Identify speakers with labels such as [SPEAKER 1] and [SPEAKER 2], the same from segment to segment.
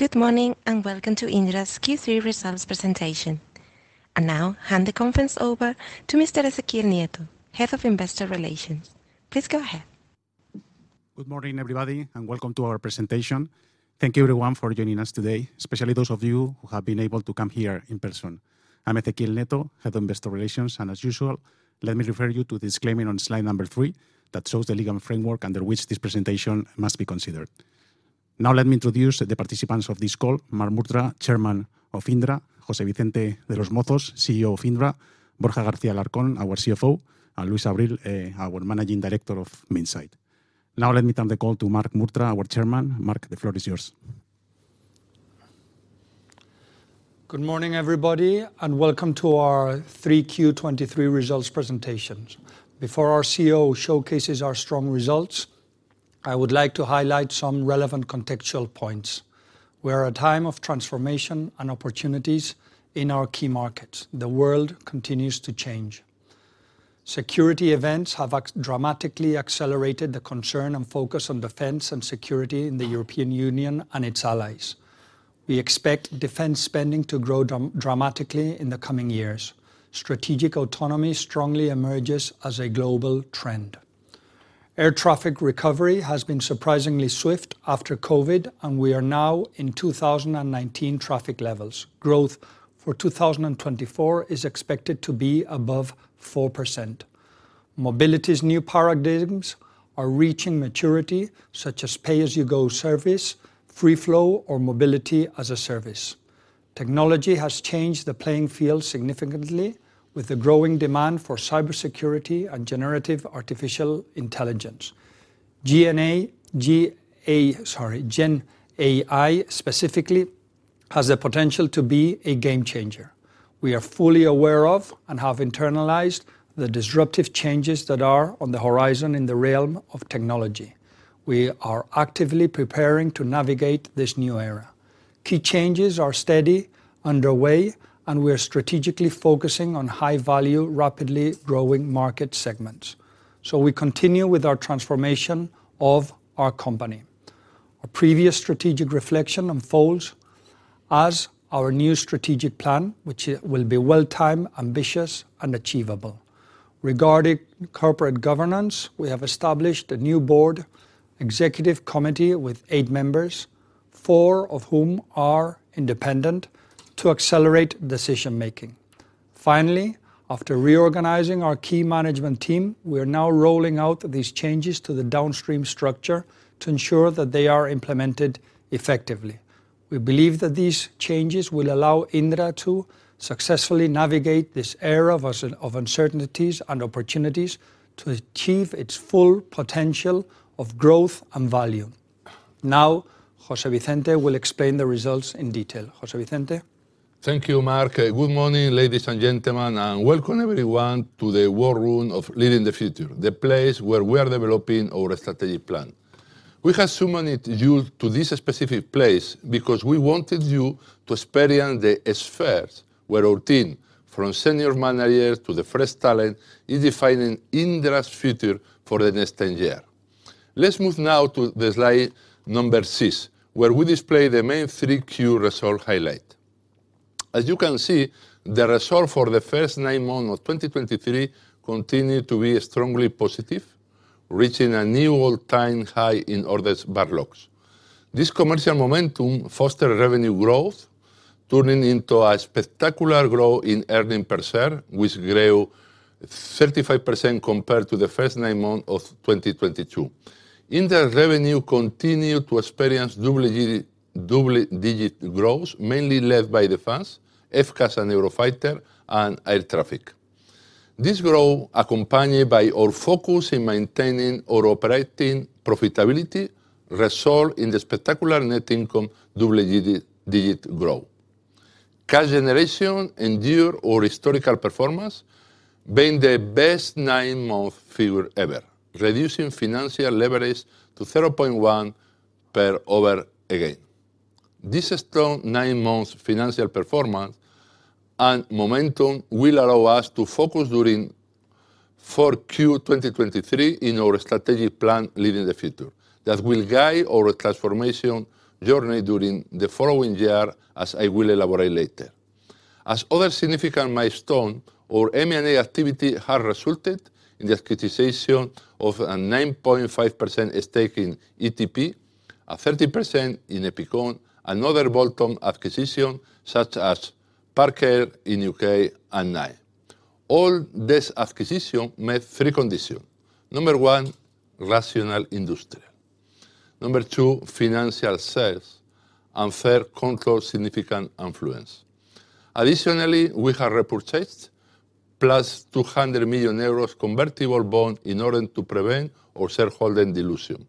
[SPEAKER 1] Good morning, and welcome to Indra's Q3 results presentation. Now, I hand the conference over to Mr. Ezequiel Nieto, Head of Investor Relations. Please go ahead.
[SPEAKER 2] Good morning, everybody, and welcome to our presentation. Thank you, everyone, for joining us today, especially those of you who have been able to come here in person. I'm Ezequiel Nieto, Head of Investor Relations, and as usual, let me refer you to the disclaimer on slide number three that shows the legal framework under which this presentation must be considered. Now, let me introduce the participants of this call: Marc Murtra, Chairman of Indra; José Vicente de los Mozos, CEO of Indra; Borja García-Alarcón, our CFO; and Luis Abril, our Managing Director of Minsait. Now, let me turn the call to Marc Murtra, our Chairman. Marc, the floor is yours.
[SPEAKER 3] Good morning, everybody, and welcome to our 3Q 2023 results presentation. Before our CEO showcases our strong results, I would like to highlight some relevant contextual points. We're at a time of transformation and opportunities in our key markets. The world continues to change. Security events have dramatically accelerated the concern and focus on defense and security in the European Union and its allies. We expect defense spending to grow dramatically in the coming years. Strategic autonomy strongly emerges as a global trend. Air traffic recovery has been surprisingly swift after COVID, and we are now in 2019 traffic levels. Growth for 2024 is expected to be above 4%. Mobility's new paradigms are reaching maturity, such as pay-as-you-go service, free flow, or mobility-as-a-service. Technology has changed the playing field significantly, with the growing demand for cybersecurity and generative artificial intelligence. Gen AI, specifically, has the potential to be a game changer. We are fully aware of and have internalized the disruptive changes that are on the horizon in the realm of technology. We are actively preparing to navigate this new era. Key changes are steady, underway, and we are strategically focusing on high-value, rapidly growing market segments. So we continue with our transformation of our company. Our previous strategic reflection unfolds as our new strategic plan, which will be well-timed, ambitious, and achievable. Regarding corporate governance, we have established a new board executive committee with eight members, four of whom are independent, to accelerate decision-making. Finally, after reorganizing our key Management Team, we are now rolling out these changes to the downstream structure to ensure that they are implemented effectively. We believe that these changes will allow Indra to successfully navigate this era of uncertainties and opportunities to achieve its full potential of growth and value. Now, José Vicente will explain the results in detail. José Vicente?
[SPEAKER 4] Thank you, Marc. Good morning, ladies and gentlemen, and welcome, everyone, to the war room of Leading the Future, the place where we are developing our strategic plan. We have summoned you to this specific place because we wanted you to experience the spheres where our team, from senior managers to the fresh talent, is defining Indra's future for the next 10 years. Let's move now to the slide number six, where we display the main three key result highlight. As you can see, the result for the first 9 months of 2023 continued to be strongly positive, reaching a new all-time high in orders backlogs. This commercial momentum foster revenue growth, turning into a spectacular growth in earnings per share, which grew 35% compared to the first 9 months of 2022. Indra's revenue continued to experience double-digit growth, mainly led by Defense, FCAS and Eurofighter, and air traffic. This growth, accompanied by our focus in maintaining our operating profitability, result in the spectacular net income double-digit growth. Cash generation exceeds our historical performance, being the best 9-month figure ever, reducing financial leverage to 0.1x again. This strong 9-month financial performance and momentum will allow us to focus during 4Q 2023 in our strategic plan, Leading the Future, that will guide our transformation journey during the following year, as I will elaborate later. As other significant milestone, our M&A activity have resulted in the acquisition of a 9.5% stake in ITP, a 30% in Epicom, another bolt-on acquisition, such as Park Air in U.K. and 9. All this acquisition met three conditions: number one, rational industrial; number two, financial sales; and third, control significant influence. Additionally, we have repurchased plus 200 million euros convertible bond in order to prevent our Shareholder dilution.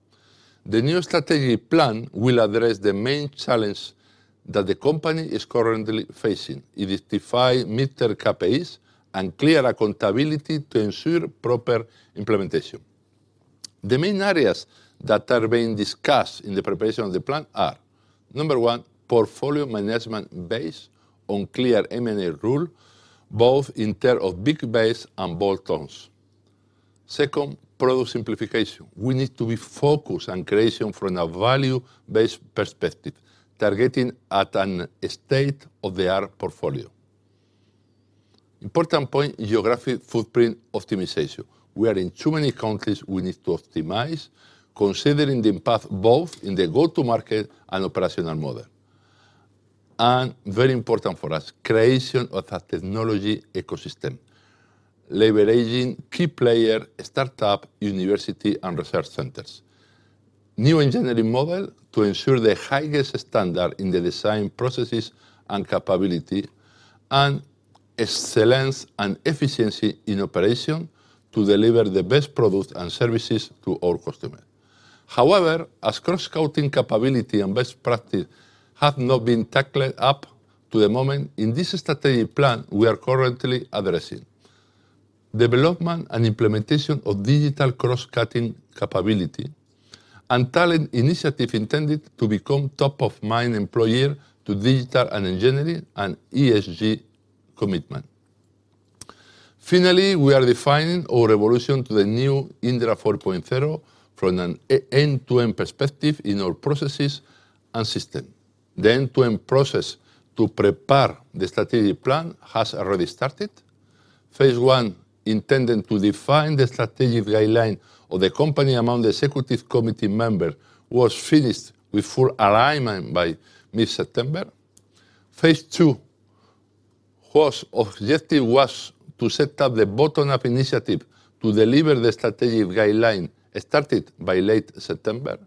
[SPEAKER 4] The new strategic plan will address the main challenge that the company is currently facing. It defines mid-term KPIs and clear accountability to ensure proper implementation. The main areas that are being discussed in the preparation of the plan are, number one, portfolio management based on clear M&A rule, both in terms of big bets and bolt-ons. Second, product simplification. We need to be focused on creation from a value-based perspective, targeting at an, a state-of-the-art portfolio. Important point, geographic footprint optimization. We are in too many countries, we need to optimize, considering the impact both in the go-to-market and operational model. Very important for us, creation of a technology ecosystem, leveraging key player, startup, university, and research centers. New engineering model to ensure the highest standard in the design processes and capability, and excellence and efficiency in operation to deliver the best products and services to all customers. However, as cross-cutting capability and best practice have not been tackled up to the moment, in this strategic plan, we are currently addressing: development and implementation of digital cross-cutting capability, and talent initiative intended to become top-of-mind employer to digital and engineering, and ESG commitment. Finally, we are defining our evolution to the new Indra 4.0 from an end-to-end perspective in our processes and system. The end-to-end process to prepare the strategic plan has already started. Phase one, intending to define the strategic guideline of the company among the executive committee member, was finished with full alignment by mid-September. Phase two, whose objective was to set up the bottom-up initiative to deliver the strategic guideline, it started by late September.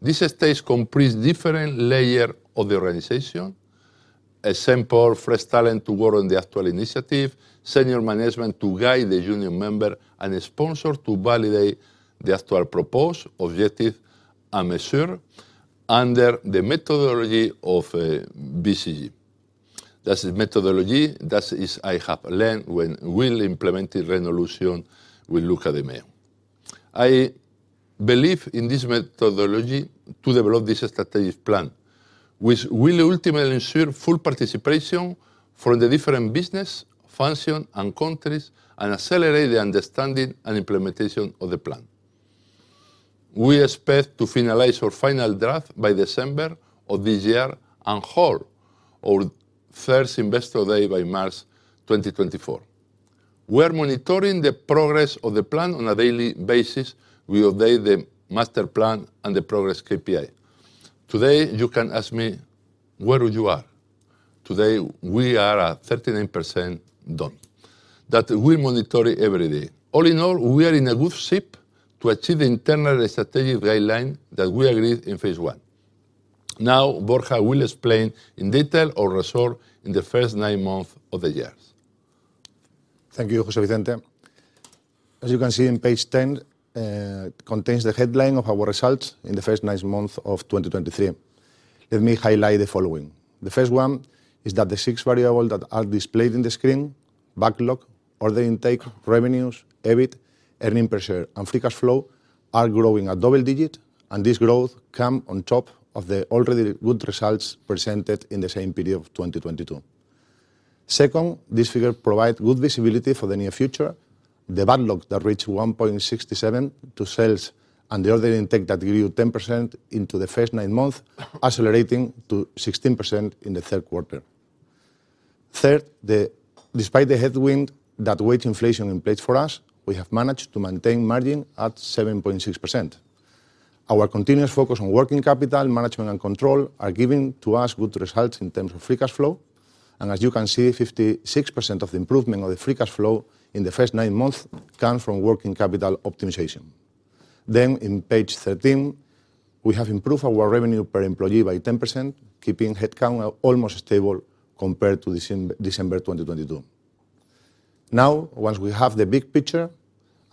[SPEAKER 4] This stage comprise different layer of the organization. A sample, fresh talent to work on the actual initiative, senior management to guide the junior member, and a sponsor to validate the actual proposed objective and measure under the methodology of, BCG. That's the methodology, that is, I have learned when we'll implement the resolution with Luca de Meo. I believe in this methodology to develop this strategic plan, which will ultimately ensure full participation from the different business, function, and countries, and accelerate the understanding and implementation of the plan. We expect to finalize our final draft by December of this year, and hold our first Investor Day by March 2024. We're monitoring the progress of the plan on a daily basis. We update the master plan and the progress KPI. Today, you can ask me, "Where you are?" Today, we are at 39% done. That we monitor every day. All in all, we are in a good shape to achieve the internal strategic guideline that we agreed in phase one. Now, Borja will explain in detail our result in the first 9 months of the year.
[SPEAKER 5] Thank you, José Vicente. As you can see in page 10 contains the headline of our results in the first 9 months of 2023. Let me highlight the following. The first one is that the six variables that are displayed on the screen, backlog, order intake, revenues, EBIT, earnings per share, and free cash flow, are growing at double digit, and this growth come on top of the already good results presented in the same period of 2022. Second, this figure provide good visibility for the near future. The backlog that reached 1.67 to sales and the order intake that grew 10% in the first 9 months, accelerating to 16% in the third quarter. Third, despite the headwind that wage inflation implies for us, we have managed to maintain margin at 7.6%. Our continuous focus on working capital, management, and control are giving to us good results in terms of free cash flow. And as you can see, 56% of the improvement of the free cash flow in the first 9 months come from working capital optimization. Then in page 13, we have improved our revenue per employee by 10%, keeping headcount almost stable compared to December 2022. Now, once we have the big picture,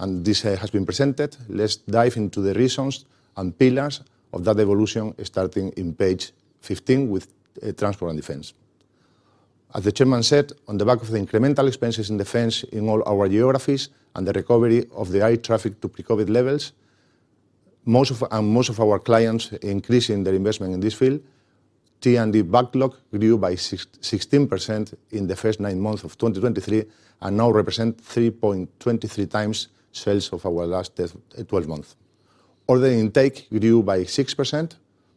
[SPEAKER 5] and this has been presented, let's dive into the reasons and pillars of that evolution, starting in page 15, with transport and defense. As the chairman said, on the back of the incremental expenses in defense in all our geographies and the recovery of the air traffic to pre-COVID levels, most of our clients increasing their investment in this field, T&D backlog grew by 16% in the first 9 months of 2023, and now represent 3.23x sales of our last twelve months. Order intake grew by 6%,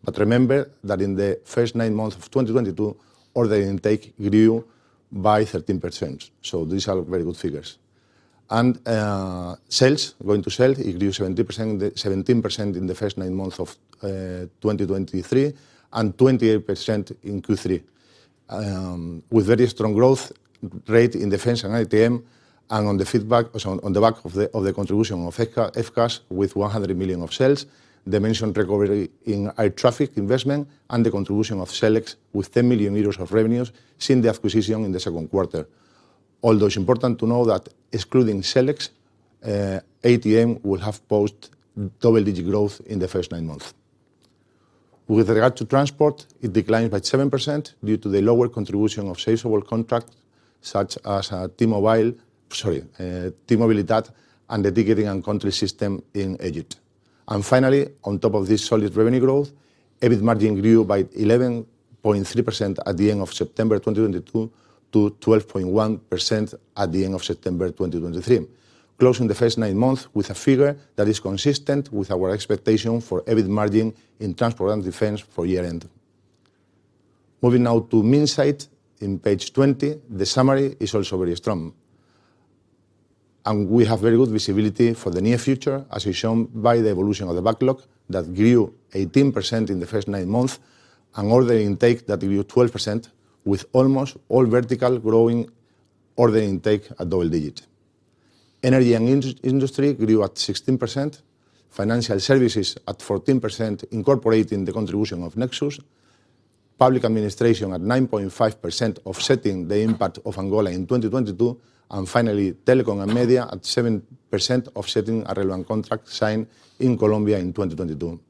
[SPEAKER 5] but remember that in the first 9 months of 2022, order intake grew by 13%, so these are very good figures. sales, going to sales, it grew 17% in the first 9 months of 2023, and 28% in Q3. With very strong growth rate in defense and ATM, and on the back of the contribution of FCAS with 100 million of sales, the mentioned recovery in air traffic investment, and the contribution of Selex with 10 million euros of revenues since the acquisition in the second quarter. Although it's important to know that excluding Selex, ATM would have posted double-digit growth in the first 9 months. With regard to transport, it declined by 7% due to the lower contribution of saleable contracts, such as T-Mobility and the ticketing and country system in Egypt. And finally, on top of this solid revenue growth, EBIT margin grew by 11.3% at the end of September 2022, to 12.1% at the end of September 2023. Closing the first 9 months with a figure that is consistent with our expectation for EBIT margin in Transport & Defense for year-end. Moving now to Minsait on page 20, the summary is also very strong. We have very good visibility for the near future, as is shown by the evolution of the backlog that grew 18% in the first 9 months, and order intake that grew 12%, with almost all vertical growing order intake at double-digit. Energy and industry grew at 16%, financial services at 14%, incorporating the contribution of Nexus, public administration at 9.5%, offsetting the impact of Angola in 2022, and finally, telecom and media at 7%, offsetting a relevant contract signed in Colombia in 2022.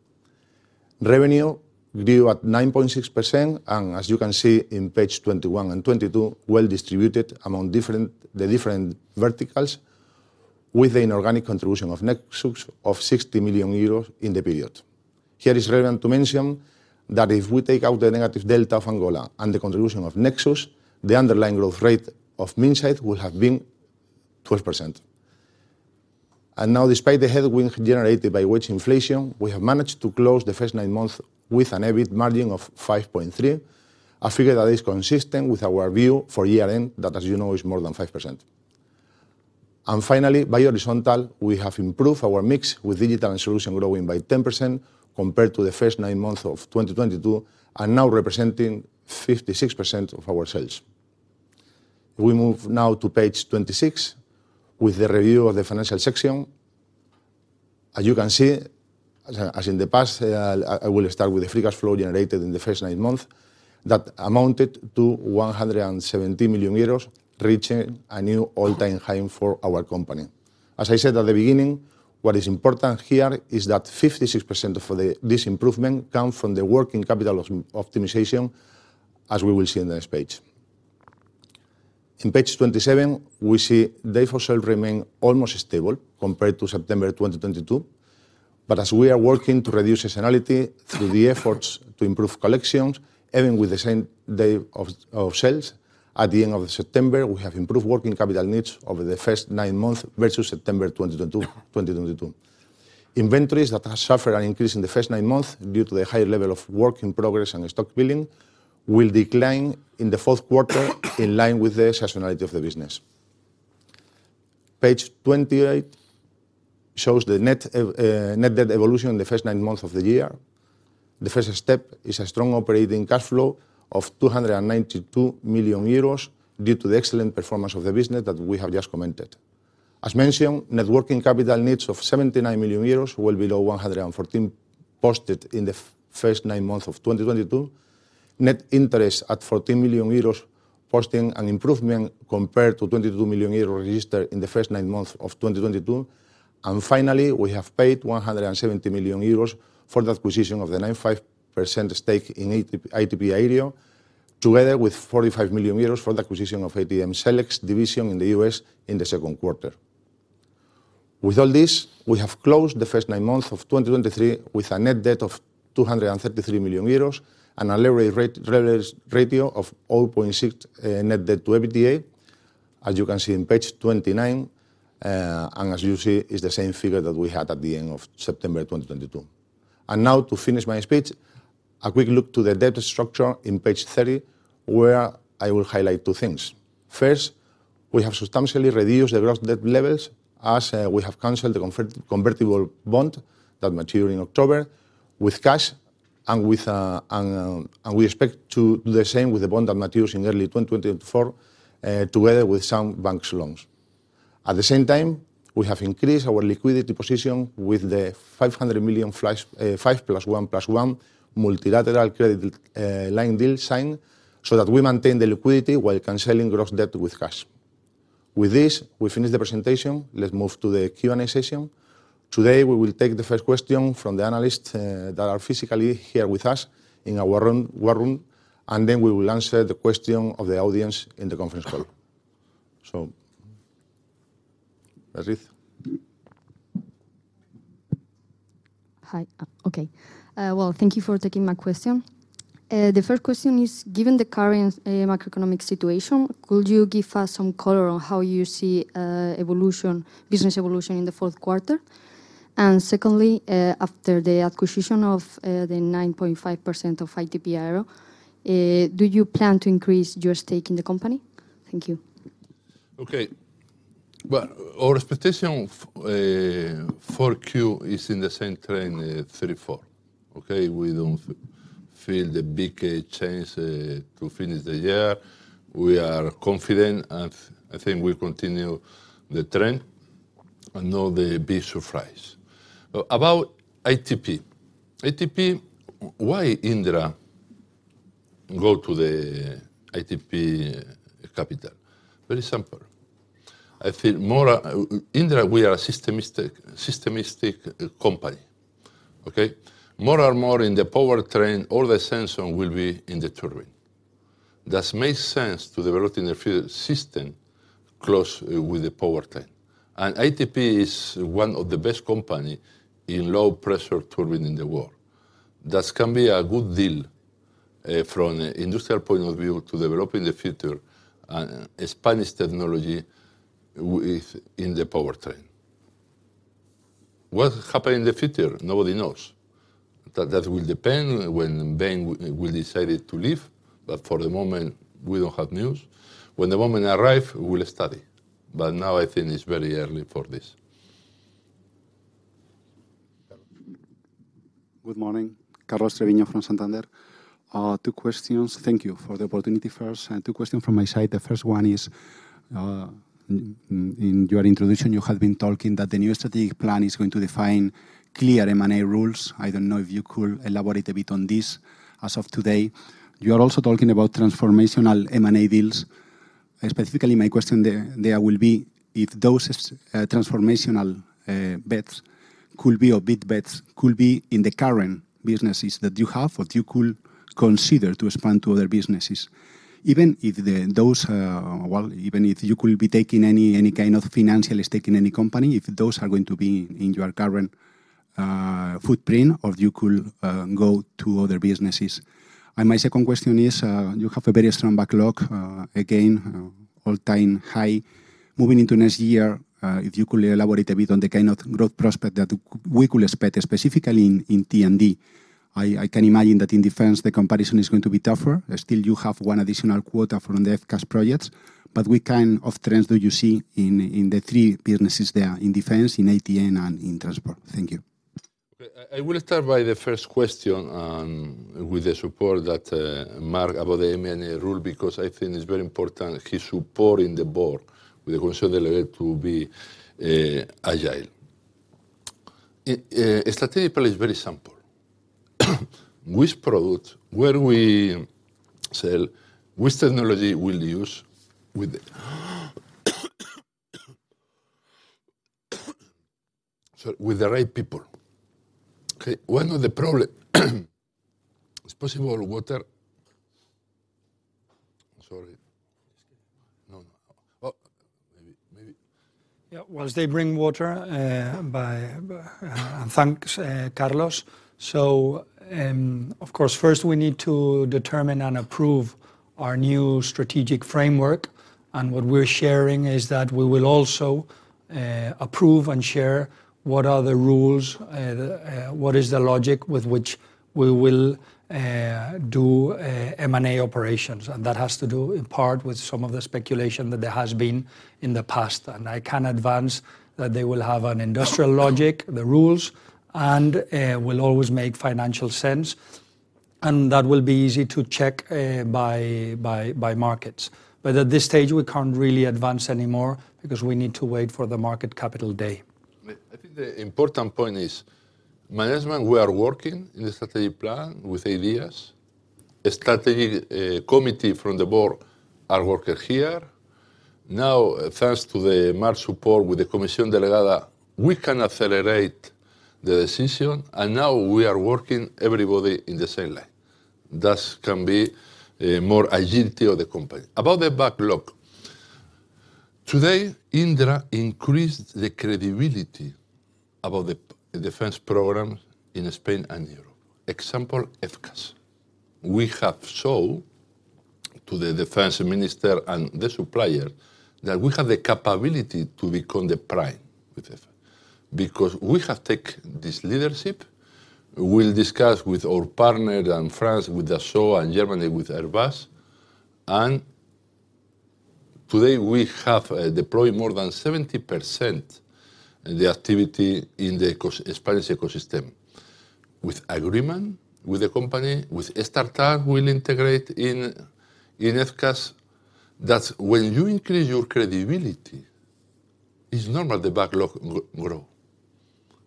[SPEAKER 5] Revenue grew at 9.6%, and as you can see in page 21 and 22, well distributed among different, the different verticals, with an inorganic contribution of Nexus of 60 million euros in the period. Here, it's relevant to mention that if we take out the negative delta of Angola and the contribution of Nexus, the underlying growth rate of Minsait would have been 12%. And now, despite the headwind generated by wage inflation, we have managed to close the first 9 months with an EBIT margin of 5.3, a figure that is consistent with our view for year-end, that, as you know, is more than 5%. And finally, by horizontal, we have improved our mix, with digital and solution growing by 10% compared to the first 9 months of 2022, and now representing 56% of our sales. We move now to page 26, with the review of the financial section. As you can see, as in the past, I will start with the free cash flow generated in the first 9 months that amounted to 170 million euros, reaching a new all-time high for our company. As I said at the beginning, what is important here is that 56% of this improvement come from the working capital optimization, as we will see in the next page. In page 27, we see days of sales remain almost stable compared to September 2022. But as we are working to reduce seasonality through the efforts to improve collections, even with the same day of sales, at the end of September, we have improved working capital needs over the first 9 months versus September 2022. Inventories that have suffered an increase in the first 9 months due to the high level of work in progress and stock building, will decline in the fourth quarter in line with the seasonality of the business. Page 28 shows the net debt evolution in the first 9 months of the year. The first step is a strong operating cash flow of 292 million euros, due to the excellent performance of the business that we have just commented. As mentioned, net working capital needs of 79 million euros, well below 114, posted in the first 9 months of 2022. Net interest at 14 million euros, posting an improvement compared to 22 million euros registered in the first 9 months of 2022. Finally, we have paid 170 million euros for the acquisition of the 95% stake in ITP Aero, together with 45 million euros for the acquisition of ATM Selex division in the U.S. in the second quarter. With all this, we have closed the first 9 months of 2023 with a net debt of 233 million euros and a leverage rate, leverage ratio of 0.6, net debt to EBITDA, as you can see in page 29. As you see, it's the same figure that we had at the end of September 2022. Now, to finish my speech, a quick look to the debt structure in page 30, where I will highlight two things. First, we have substantially reduced the gross debt levels, as we have canceled the convertible bond that matured in October with cash, and we expect to do the same with the bond that matures in early 2024, together with some bank loans. At the same time, we have increased our liquidity position with the 500 million flash five plus one plus one multilateral credit line deal signed, so that we maintain the liquidity while canceling gross debt with cash. With this, we finish the presentation. Let's move to the Q&A session. Today, we will take the first question from the analysts that are physically here with us in our room, war room, and then we will answer the question of the audience in the conference call. So, Aziz?
[SPEAKER 6] Hi. Okay. Well, thank you for taking my question. The first question is, given the current macroeconomic situation, could you give us some color on how you see evolution, business evolution in the fourth quarter? And secondly, after the acquisition of the 9.5% of ITP Aero, do you plan to increase your stake in the company? Thank you.
[SPEAKER 4] Okay. Well, our expectation for Q is in the same trend, 34, okay? We don't feel the big change to finish the year. We are confident, and I think we'll continue the trend and no the big surprise. About ITP: ITP, why Indra go to the ITP capital? Very simple. I feel more, Indra, we are a Systemistic company, okay? More and more in the powertrain, all the sensors will be in the turbine. It does make sense to develop in the field system close with the powertrain. And ITP is one of the best company in low pressure turbine in the world. That can be a good deal from an industrial point of view to developing the future, and Spanish technology with in the powertrain. What happen in the future? Nobody knows. That will depend when Bain will decide to leave, but for the moment, we don't have news. When the moment arrive, we'll study, but now I think it's very early for this.
[SPEAKER 7] Good morning, Carlos Treviño from Santander. Two questions. Thank you for the opportunity first, and two questions from my side. The first one is, in your introduction, you have been talking that the new strategic plan is going to define clear M&A rules. I don't know if you could elaborate a bit on this as of today. You are also talking about transformational M&A deals, and specifically, my question there, there will be if those, transformational, bets could be, or big bets could be in the current businesses that you have, or you could consider to expand to other businesses. Even if the, those, well, even if you could be taking any, any kind of financial stake in any company, if those are going to be in your current, footprint, or you could, go to other businesses. My second question is, you have a very strong backlog, again, all-time high. Moving into next year, if you could elaborate a bit on the kind of growth prospect that we could expect, specifically in T&D. I, I can imagine that in defense, the competition is going to be tougher. Still, you have one additional quota from the FCAS projects, but what kind of trends do you see in, in the three businesses there, in defense, in ATM, and in transport? Thank you.
[SPEAKER 4] Okay, I will start by the first question with the support that Marc about the M&A rule, because I think it's very important, his support in the board with the Comisión Delegada to be agile. Strategic plan is very simple. Which product, where we sell, which technology we'll use with the right people. Okay, one of the problem, it's possible water? Sorry.
[SPEAKER 3] Just give me one.
[SPEAKER 4] No, no. Oh, maybe, maybe.
[SPEAKER 3] Yeah, whilst they bring water, by, and thanks, Carlos. So, of course, first we need to determine and approve our new strategic framework, and what we're sharing is that we will also approve and share what are the rules, the, what is the logic with which we will do M&A operations. And that has to do, in part, with some of the speculation that there has been in the past. And I can advance that they will have an industrial logic, the rules, and will always make financial sense, and that will be easy to check, by markets. But at this stage, we can't really advance anymore because we need to wait for the Capital Markets Day.
[SPEAKER 4] I think the important point is, management, we are working in the strategic plan with ideas. A strategic committee from the board are working here. Now, thanks to the Marc's support with the Comisión Delegada, we can accelerate the decision, and now we are working, everybody in the same line. Thus, can be more agility of the company. About the backlog, today, Indra increased the credibility about the Defense programs in Spain and Europe. Example, FCAS. We have shown to the defense minister and the supplier that we have the capability to become the prime with FCAS. Because we have take this leadership, we'll discuss with our partner in France, with Dassault, and Germany, with Airbus. And today, we have deployed more than 70% the activity in the Spanish ecosystem, with agreement with the company, with a startup we'll integrate in FCAS. That when you increase your credibility, it's normal the backlog grow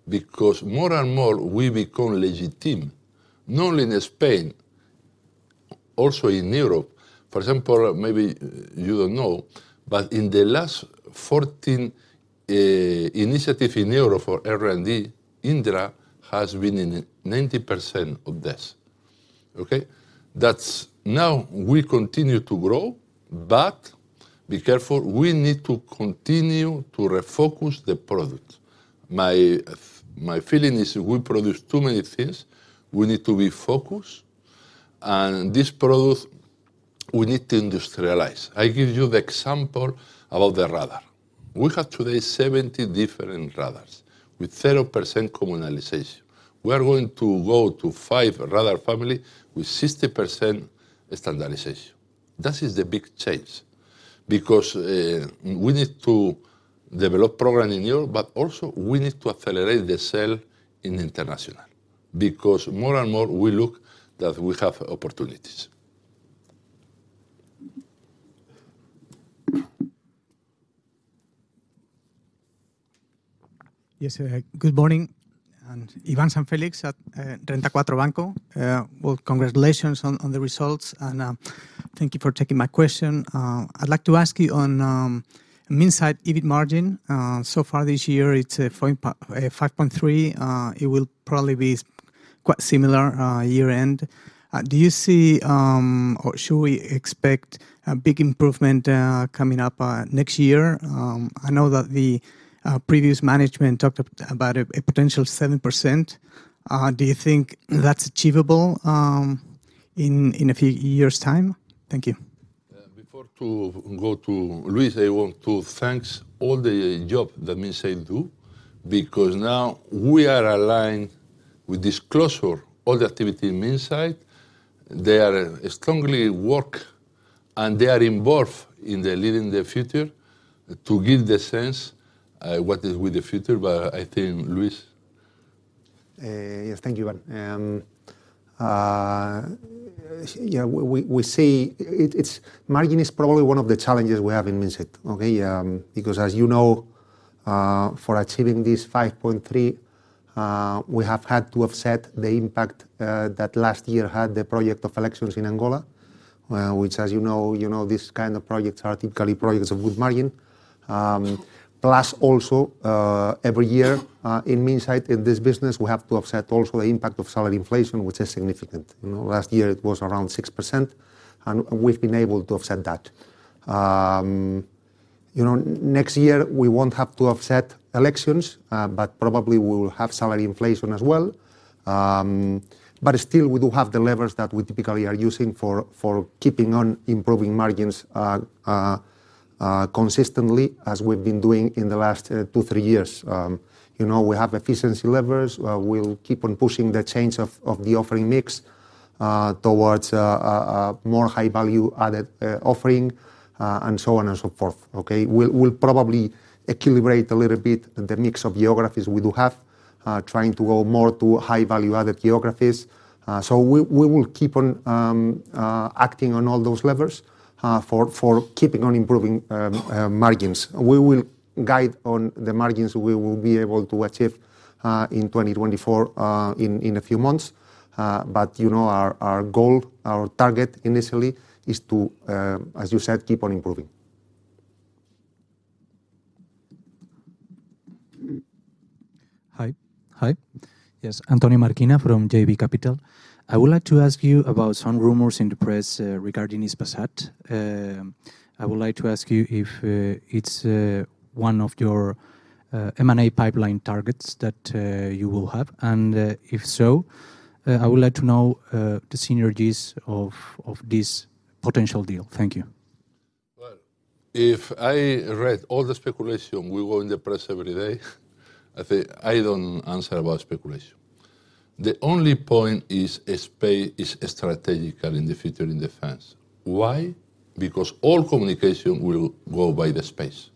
[SPEAKER 4] because more and more we become legitimate, not only in Spain, also in Europe. For example, maybe you don't know, but in the last 14 Initiatives in Europe for R&D, Indra has been in 90% of this. Okay? That's now we continue to grow, but be careful, we need to continue to refocus the product. My feeling is we produce too many things. We need to be focused, and this product, we need to industrialize. I give you the example about the radar. We have today 70 different radars with 0% commonality. We are going to go to 5 radar families with 60% standardization. That is the big change, because we need to develop program in Europe, but also we need to accelerate the sale in international, because more and more we look that we have opportunities.
[SPEAKER 8] Yes, good morning. And Iván San Félix at Renta 4 Banco. Well, congratulations on the results, and thank you for taking my question. I'd like to ask you on Minsait EBIT margin. So far this year, it's 4.53. It will probably be quite similar year-end. Do you see or should we expect a big improvement coming up next year? I know that the previous management talked about a potential 7%. Do you think that's achievable in a few years' time? Thank you.
[SPEAKER 4] Before going to Luis, I want to thank all the job that Minsait do, because now we are aligned with this closure, all the activity in Minsait. They are strongly working, and they are involved in Leading the Future to give the sense what is with the future. But I think Luis?
[SPEAKER 9] Yes, thank you, IváN. Margin is probably one of the challenges we have in Minsait, okay? Because, as you know, for achieving this 5.3, we have had to offset the impact that last year had the project of elections in Angola. Which, as you know, you know, these kind of projects are typically projects of good margin. Plus also, every year, in Minsait, in this business, we have to offset also the impact of salary inflation, which is significant. You know, last year it was around 6%, and we've been able to offset that. You know, next year, we won't have to offset elections, but probably we will have salary inflation as well. But still, we do have the levers that we typically are using for keeping on improving margins consistently, as we've been doing in the last two, three years. You know, we have efficiency levers. We'll keep on pushing the change of the offering mix towards a more high-value added offering, and so on and so forth, okay? We'll probably equilibrate a little bit the mix of geographies we do have, trying to go more to high-value added geographies. So we will keep on acting on all those levers for keeping on improving margins. We will guide on the margins we will be able to achieve in 2024 in a few months. But you know, our goal, our target initially, is to, as you said, keep on improving.
[SPEAKER 10] Hi. Hi. Yes, Antonio Marquina from JB Capital. I would like to ask you about some rumors in the press regarding Hispasat. I would like to ask you if it's one of your M&A pipeline targets that you will have, and if so, I would like to know the synergies of this potential deal. Thank you.
[SPEAKER 4] Well, if I read all the speculation will go in the press every day, I think I don't answer about speculation. The only point is space is strategic in the future in defense. Why? Because all communication will go by the space.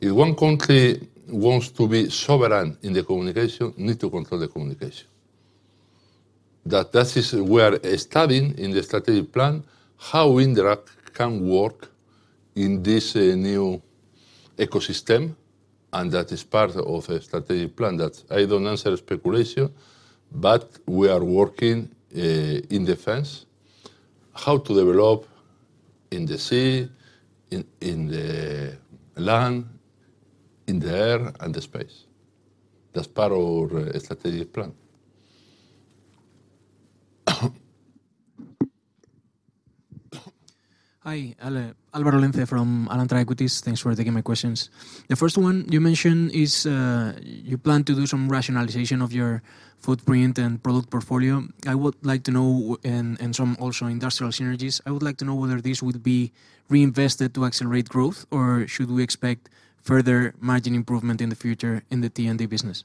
[SPEAKER 4] If one country wants to be sovereign in the communication, need to control the communication. That is we are studying in the strategic plan, how Indra can work in this new ecosystem, and that is part of a strategic plan that I don't answer speculation, but we are working in defense, how to develop in the sea, in the land, in the air, and the space. That's part of strategic plan.
[SPEAKER 11] Hi, Alvaro Lenze from Alantra Equities. Thanks for taking my questions. The first one you mentioned is you plan to do some rationalization of your footprint and product portfolio. I would like to know, and some also industrial synergies. I would like to know whether this would be reinvested to accelerate growth, or should we expect further margin improvement in the future in the T&D business?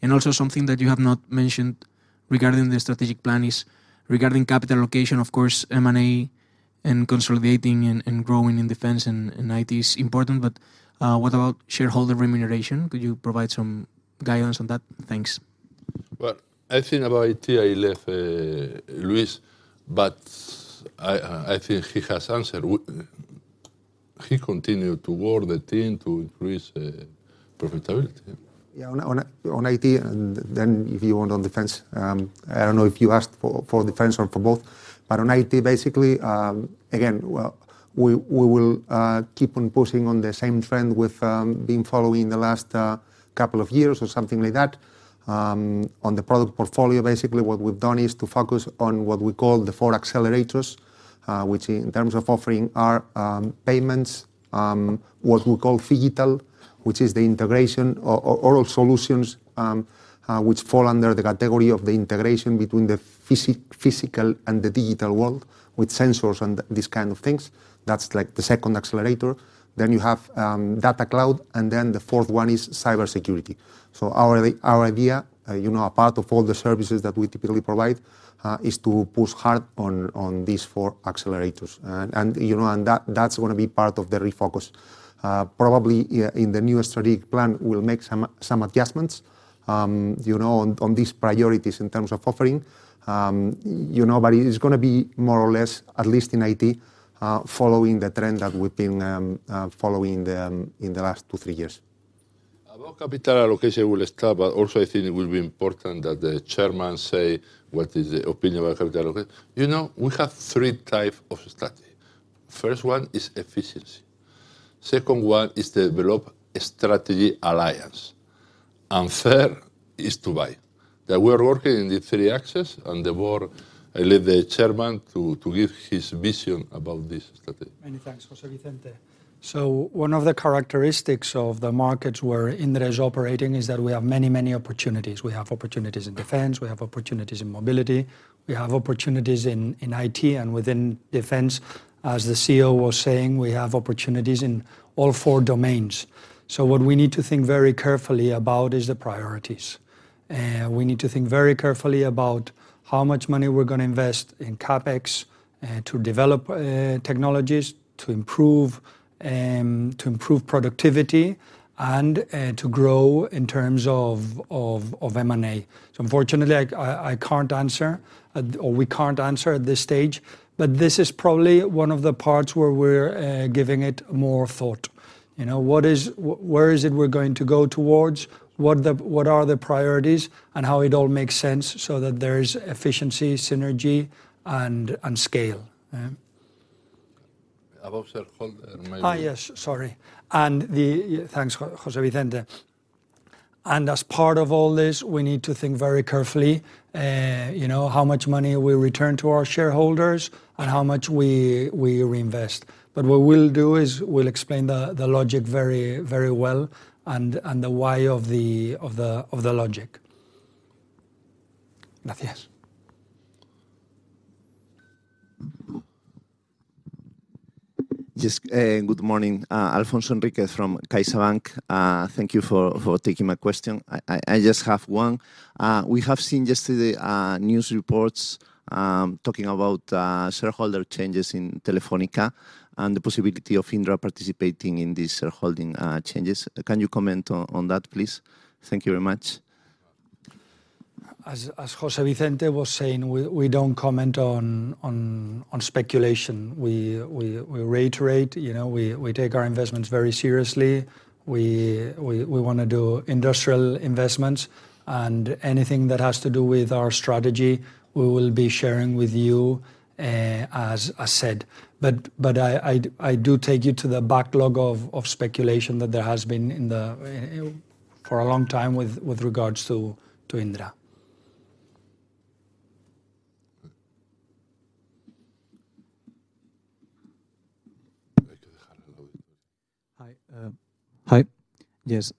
[SPEAKER 11] And also, something that you have not mentioned regarding the strategic plan is regarding Capital allocation. Of course, M&A and consolidating and growing in Defense and IT is important, but what about Shareholder remuneration? Could you provide some guidance on that? Thanks.
[SPEAKER 4] Well, I think about IT. I left Luis, but I think he has answered. He continued to work the team to increase profitability.
[SPEAKER 9] Yeah, on IT, and then if you want on defense, I don't know if you asked for defense or for both. But on IT, basically, again, well, we will keep on pushing on the same trend with been following the last couple of years or something like that. On the product portfolio, basically what we've done is to focus on what we call the four accelerators, which in terms of offering are payments, what we call phygital, which is the integration or oral solutions, which fall under the category of the integration between the physical and the digital world, with sensors and these kind of things. That's like the second accelerator. Then you have data cloud, and then the fourth one is cybersecurity. Our idea, you know, a part of all the services that we typically provide, is to push hard on these four accelerators. You know, and that's gonna be part of the refocus. Probably, yeah, in the new strategic plan, we'll make some adjustments, you know, on these priorities in terms of offering, you know, but it is gonna be more or less, at least in IT, following the trend that we've been following in the last two, three years.
[SPEAKER 4] About capital allocation, we'll start, but also I think it will be important that the chairman say what is the opinion about capital allocation. You know, we have three type of strategy. First one is efficiency, second one is develop a strategy alliance, and third is to buy. That we're working in the three axes, and the board, I leave the chairman to give his vision about this strategy.
[SPEAKER 3] Many thanks, José Vicente. So one of the characteristics of the markets where Indra is operating is that we have many, many opportunities. We have opportunities in defense, we have opportunities in mobility, we have opportunities in IT. And within defense, as the CEO was saying, we have opportunities in all four domains. So what we need to think very carefully about is the priorities. We need to think very carefully about how much money we're gonna invest in CapEx to develop technologies, to improve productivity, and to grow in terms of M&A. So unfortunately, I can't answer or we can't answer at this stage, but this is probably one of the parts where we're giving it more thought. You know, where is it we're going to go towards? What are the priorities, and how it all makes sense so that there is efficiency, synergy, and scale, eh?
[SPEAKER 4] About Shareholder maybe.
[SPEAKER 3] Ah, yes, sorry. Thanks, José Vicente. As part of all this, we need to think very carefully, you know, how much money we return to our Shareholders and how much we reinvest. But what we'll do is we'll explain the logic very, very well, and the why of the logic. Gracias.
[SPEAKER 12] Just good morning. Alfonso Enrique from CaixaBank. Thank you for taking my question. I just have one. We have seen yesterday news reports talking about Shareholder changes in Telefónica and the possibility of Indra participating in these shareholding changes. Can you comment on that, please? Thank you very much.
[SPEAKER 3] As José Vicente was saying, we don't comment on speculation. We reiterate, you know, we take our investments very seriously. We wanna do industrial investments, and anything that has to do with our strategy, we will be sharing with you, as I said. But I do take you to the backlog of speculation that there has been in the for a long time with regards to Indra.
[SPEAKER 4] Hi. Hello.
[SPEAKER 10] Hi. Hi. Yes,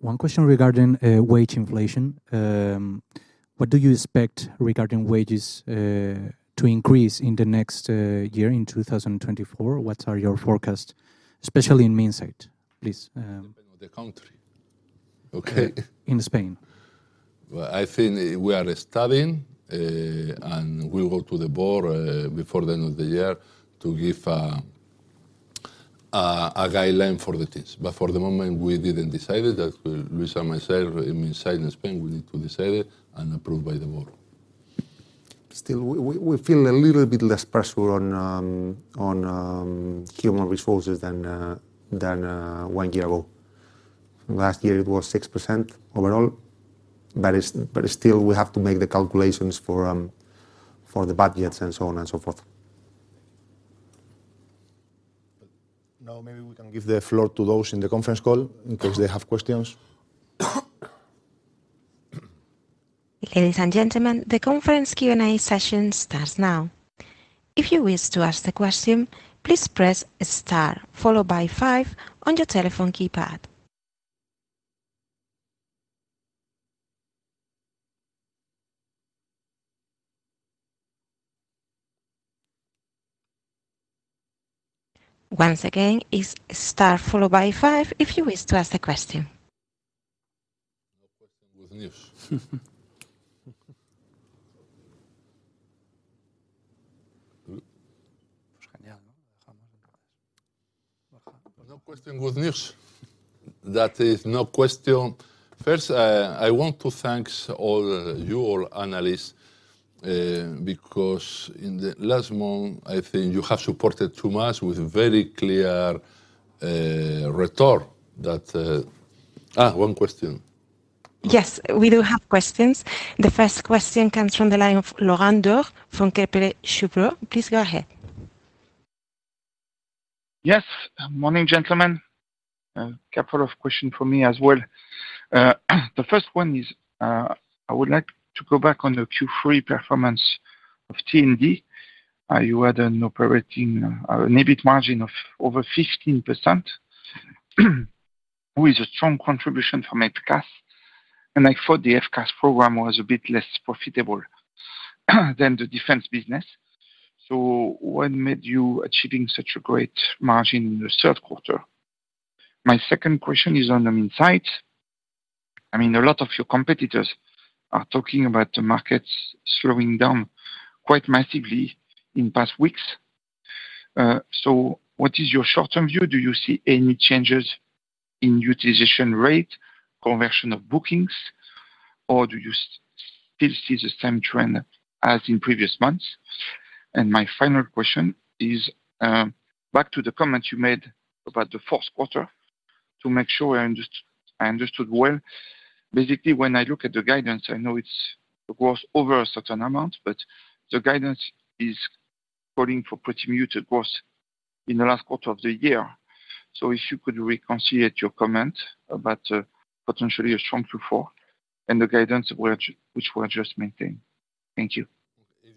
[SPEAKER 10] one question regarding wage inflation. What do you expect regarding wages to increase in the next year, in 2024? What are your forecast, especially in Minsait, please?
[SPEAKER 4] Depend on the country, okay?
[SPEAKER 10] In Spain.
[SPEAKER 4] Well, I think we are studying, and we'll go to the board, a guideline for the teams. But for the moment, we didn't decide it. That Luis and myself, in Minsait in Spain, we need to decide it and approve by the board.
[SPEAKER 9] Still, we feel a little bit less pressure on human resources than one year ago. Last year it was 6% overall, but still we have to make the calculations for the budgets, and so on and so forth.
[SPEAKER 4] Now, maybe we can give the floor to those in the conference call in case they have questions.
[SPEAKER 1] Ladies and gentlemen, the conference Q&A session starts now. If you wish to ask the question, please press star followed by five on your telephone keypad. Once again, it's star followed by five if you wish to ask the question.
[SPEAKER 4] No question, good news. No question, good news. That is no question. First, I want to thank all you all analysts, because in the last month, I think you have supported too much with very clear return that... Ah, one question.
[SPEAKER 1] Yes, we do have questions. The first question comes from the line of Laurent Daure from Kepler Cheuvreux. Please go ahead.
[SPEAKER 13] Yes. Morning, gentlemen. A couple of questions from me as well. The first one is, I would like to go back on the Q3 performance of T&D. You had an operating, an EBIT margin of over 15%, with a strong contribution from FCAS. And I thought the FCAS program was a bit less profitable than the defense business. So what made you achieving such a great margin in the third quarter? My second question is on the Minsait. I mean, a lot of your competitors are talking about the markets slowing down quite massively in past weeks. So what is your short-term view? Do you see any changes in utilization rate, conversion of bookings, or do you still see the same trend as in previous months? My final question is, back to the comments you made about the fourth quarter, to make sure I understood well. Basically, when I look at the guidance, I know it's, it was over a certain amount, but the guidance is calling for pretty muted growth in the last quarter of the year. So if you could reconcile your comment about, potentially a strong Q4 and the guidance which, which were just maintained. Thank you.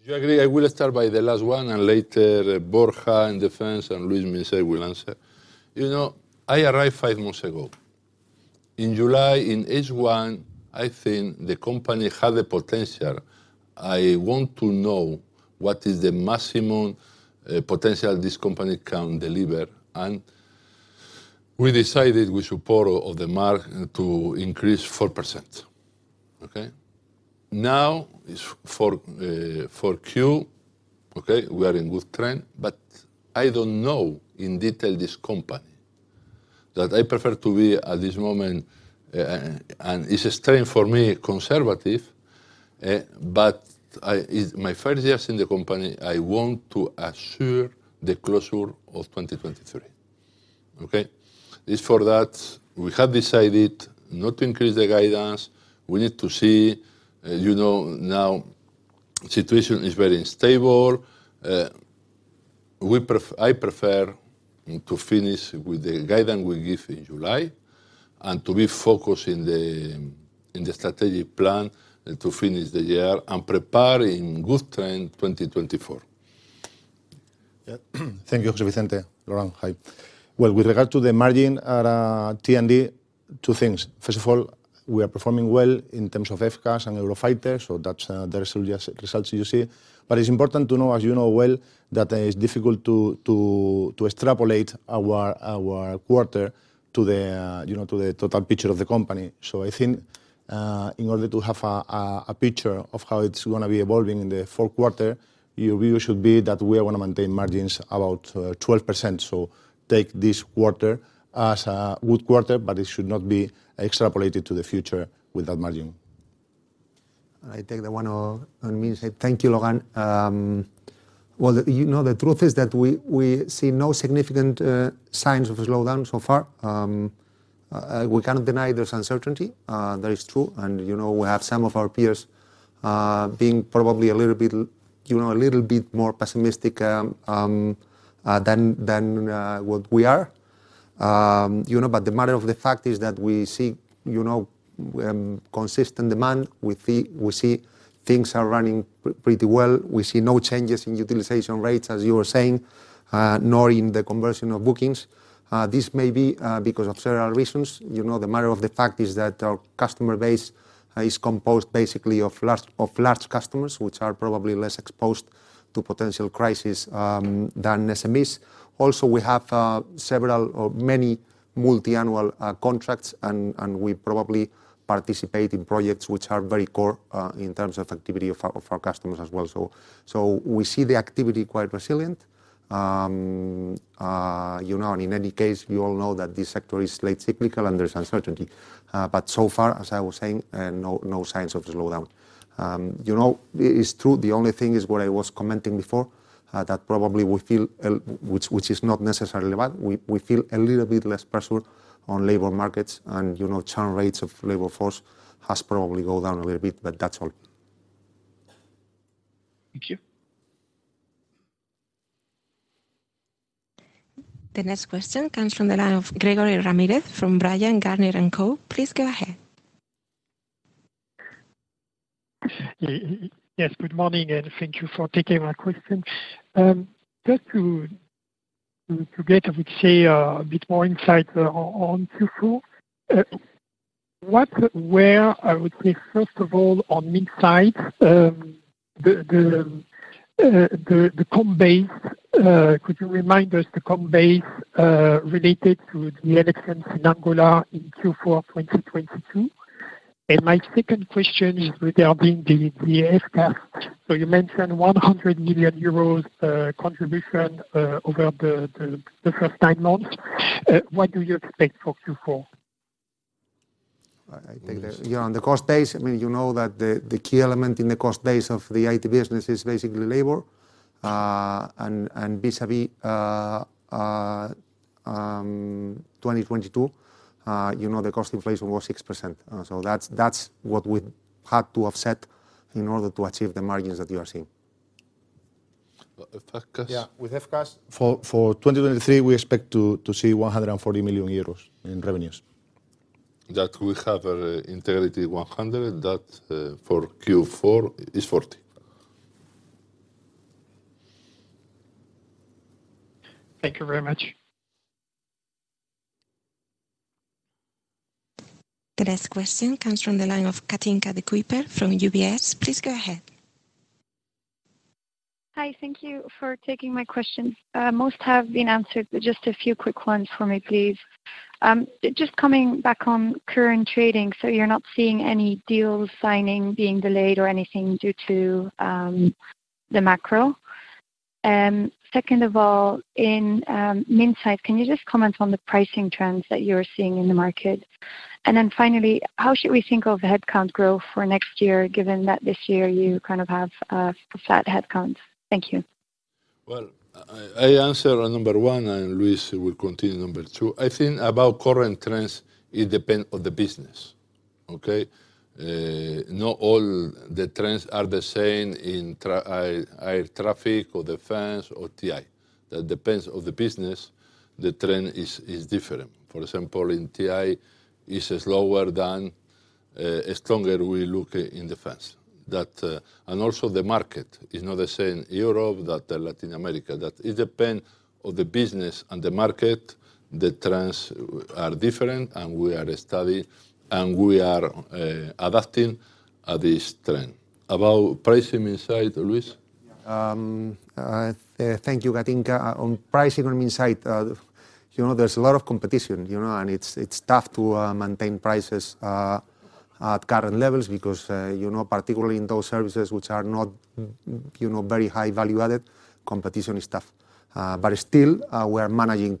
[SPEAKER 4] If you agree, I will start by the last one, and later, Borja and defense and Luis Minsait will answer. You know, I arrived five months ago. In July, in H1, I think the company had the potential. I want to know what is the maximum potential this company can deliver, and we decided we should pull of the mark to increase 4%, okay? Now, is for for Q, okay, we are in good trend, but I don't know in detail this company. That I prefer to be at this moment, and it's a strain for me, conservative, but it's my first years in the company, I want to assure the closure of 2023, okay? It's for that we have decided not to increase the guidance. We need to see, you know, now situation is very unstable. I prefer to finish with the guidance we give in July, and to be focused in the strategic plan and to finish the year and prepare in good time, 2024.
[SPEAKER 5] Yeah. Thank you, José Vicente. Lauren, hi. Well, with regard to the margin at T&D, two things. First of all, we are performing well in terms of FCAS and Eurofighter, so that's the results, results you see. But it's important to know, as you know well, that it's difficult to extrapolate our quarter to the you know, to the total picture of the company. So I think in order to have a picture of how it's gonna be evolving in the fourth quarter, your view should be that we are gonna maintain margins about 12%. So take this quarter as a good quarter, but it should not be extrapolated to the future with that margin.
[SPEAKER 9] I take the one on me and say, thank you, Lauren. Well, you know, the truth is that we see no significant signs of a slowdown so far. We cannot deny there's uncertainty, that is true, and, you know, we have some of our peers being probably a little bit, you know, a little bit more pessimistic than what we are. You know, but the matter of the fact is that we see, you know, consistent demand. We see things are running pretty well. We see no changes in utilization rates, as you were saying, nor in the conversion of bookings. This may be because of several reasons. You know, the matter of the fact is that our customer base is composed basically of large, of large customers, which are probably less exposed to potential crisis than SMEs. Also, we have several or many multiannual contracts and we probably participate in projects which are very core in terms of activity of our, of our customers as well. So we see the activity quite resilient. You know, and in any case, we all know that this sector is late cyclical and there's uncertainty. But so far, as I was saying, no, no signs of the slowdown. You know, it's true, the only thing is what I was commenting before, that probably we feel, which is not necessarily bad, we feel a little bit less pressure on labor markets and, you know, churn rates of labor force has probably go down a little bit, but that's all.
[SPEAKER 13] Thank you.
[SPEAKER 1] The next question comes from the line of Gregory Ramirez, from Bryan, Garnier & Co. Please go ahead.
[SPEAKER 14] Yeah. Yes, good morning, and thank you for taking my question. Just to get, I would say, a bit more insight on Q4, what, where, I would say, first of all, on Minsait, the comp base, could you remind us the comp base related to the elections in Angola in Q4 of 2022? And my second question is regarding the FCAS. So you mentioned 100 million euros contribution over the first 9 months. What do you expect for Q4?
[SPEAKER 9] I take that. Yeah, on the cost base, I mean, you know that the key element in the cost base of the IT business is basically labor. vis-a-vis 2022, you know, the cost inflation was 6%. So that's what we had to offset in order to achieve the margins that you are seeing.
[SPEAKER 4] FCAS?
[SPEAKER 9] Yeah, with FCAS, for 2023, we expect to see 140 million euros in revenues.
[SPEAKER 4] That we have an integrity 100, that for Q4 is 40.
[SPEAKER 14] Thank you very much.
[SPEAKER 1] The next question comes from the line of Kathinka de Kuyper from UBS. Please go ahead.
[SPEAKER 15] Hi, thank you for taking my question. Most have been answered, but just a few quick ones for me, please. Just coming back on current trading, so you're not seeing any deal signing being delayed or anything due to the macro? And second of all, in Minsait, can you just comment on the pricing trends that you're seeing in the market? And then finally, how should we think of headcount growth for next year, given that this year you kind of have a flat headcount? Thank you.
[SPEAKER 4] Well, I answer on number one, and Luis will continue number two. I think about current trends, it depend on the business, okay? Not all the trends are the same in air traffic or defense or TI. That depends on the business, the trend is different. For example, in TI, it's slower than stronger we look in defense. That, and also the market is not the same in Europe, that Latin America. That it depend on the business and the market. The trends are different, and we are studying, and we are adapting at this trend. About pricing Minsait, Luis?
[SPEAKER 9] Thank you, Katinka. On pricing on Minsait, you know, there's a lot of competition, you know, and it's tough to maintain prices at current levels because, you know, particularly in those services which are not very high value-added, competition is tough. But still, we are managing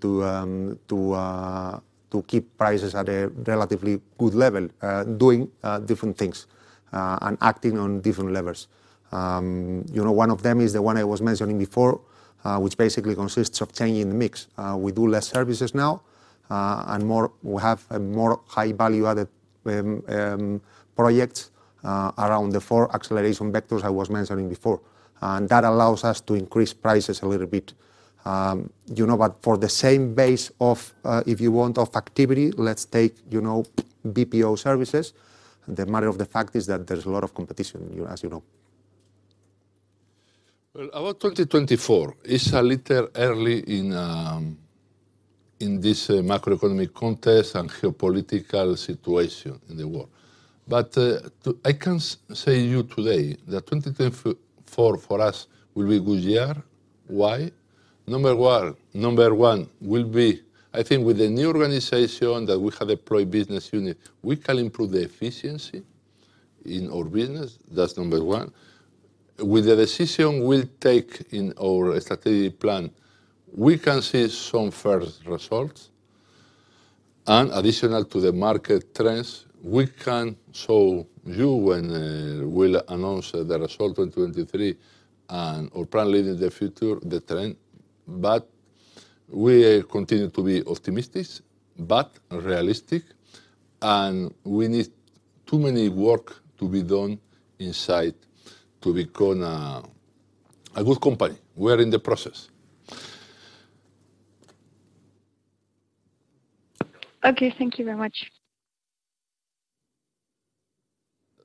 [SPEAKER 9] to keep prices at a relatively good level, doing different things and acting on different levels. You know, one of them is the one I was mentioning before, which basically consists of changing the mix. We do less services now, and more high value-added projects around the four acceleration vectors I was mentioning before. And that allows us to increase prices a little bit. You know, but for the same base of, if you want, of activity, let's take, you know, BPO services. The matter of the fact is that there's a lot of competition, you know, as you know.
[SPEAKER 4] Well, about 2024, it's a little early in this macroeconomic context and geopolitical situation in the world. But I can say to you today that 2024 for us will be a good year. Why? Number one, number one will be, I think with the new organization, that we have a pro business unit, we can improve the efficiency in our business. That's number one. With the decision we'll take in our Strategic plan, we can see some first results, and additional to the market trends, we can show you when we'll announce the result of 2023 and our plan Leading the Future, the trend. But we continue to be optimistic, but realistic, and we need too many work to be done inside to become a good company. We're in the process.
[SPEAKER 15] Okay, thank you very much.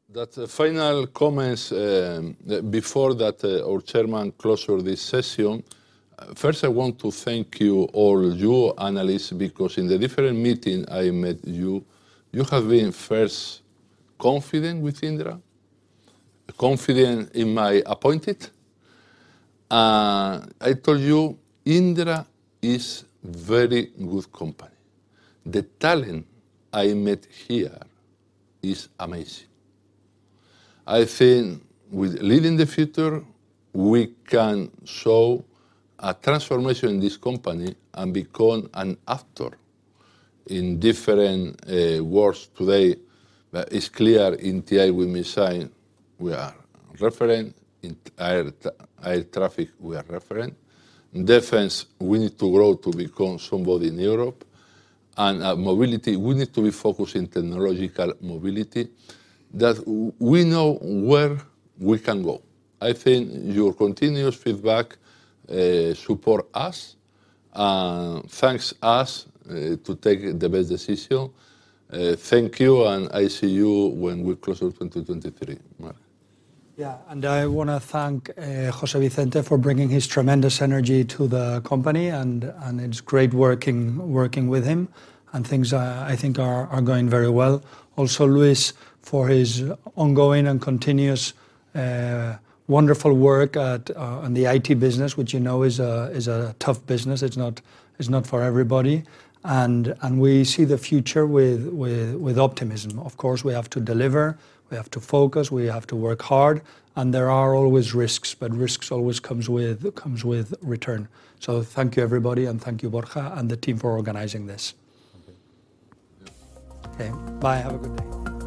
[SPEAKER 4] That's the final comments before that, our chairman close out this session. First, I want to thank you, all you analysts, because in the different meeting I met you. You have been, first, confident with Indra, confident in my appointed. I told you, Indra is very good company. The talent I met here is amazing. I think with Leading the Future, we can show a transformation in this company and become an actor in different worlds today. That is clear in IT with Minsait, we are referring. In air traffic, we are referring. In defense, we need to grow to become somebody in Europe. And mobility, we need to be focused in technological mobility. We know where we can go. I think your continuous feedback support us, and thanks us to take the best decision. Thank you, and I see you when we close out 2023. Bye.
[SPEAKER 3] Yeah, and I want to thank José Vicente for bringing his tremendous energy to the company, and it's great working with him, and things are, I think, going very well. Also, Luis, for his ongoing and continuous wonderful work on the IT business, which you know is a tough business. It's not for everybody. And we see the future with optimism. Of course, we have to deliver, we have to focus, we have to work hard, and there are always risks, but risks always comes with return. So thank you, everybody, and thank you, Borja, and the team for organizing this.
[SPEAKER 4] Okay.
[SPEAKER 3] Okay, bye. Have a good day.